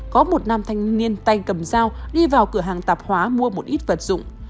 có một nam thanh niên tay cầm dao đi vào cửa hàng tạp hóa mua một ít vật dụng